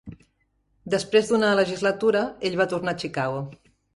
Després d'una legislatura, ell va tornar a Chicago.